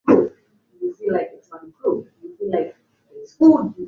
Kamati kuu ya kijeshi na mwanasheria mkuu lakini hali halisi